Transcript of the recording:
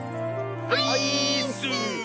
オイーッス！